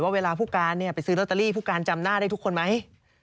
เวลาผู้การไปซื้อลอตเตอรี่ผู้การจำหน้าได้ทุกคนไหม